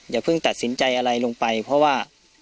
อย่าเพิ่งตัดสินใจอะไรลงไปเพราะว่า